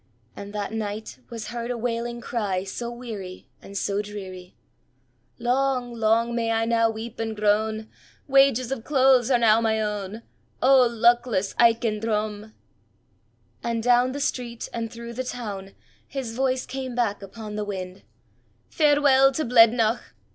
And that night was heard a wailing cry, so weary and so dreary: "Long, long may I now weep and groan! Wages of clothes are now my own! O luckless Aiken Drum!" And down the street and through the town, his voice came back upon the wind: "_Farewell to Blednoch!